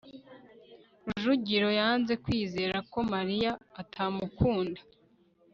rujugiro yanze kwizera ko mariya atamukunda